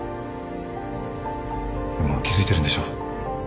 でも気付いてるんでしょ？